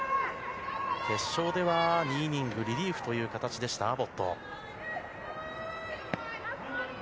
決勝では２イニング、リリーフという形でした、アボット。